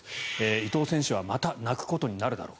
伊藤選手はまた泣くことになるだろう。